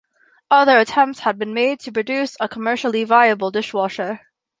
Other attempts had been made to produce a commercially viable dishwasher.